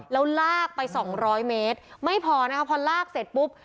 แล้วลากไปสองร้อยเมตรไม่พอนะคะพอลากเสร็จปุ๊บ